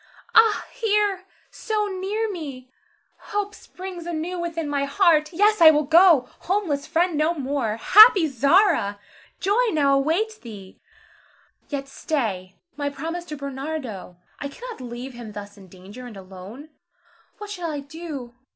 Ah, here! so near me! Hope springs anew within my heart. Yes, I will go. Homeless, friendless no more! Happy Zara! joy now awaits thee. Yet stay! my promise to Bernardo! I cannot leave him thus in danger, and alone. What shall I do?